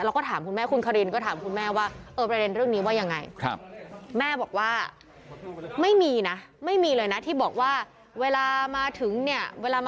เราก็ถามคุณแม่คุณครินก็ถามคุณแม่ว่า